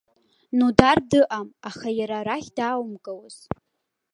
Нодар дыҟам, аха иара арахь дааумгауаз.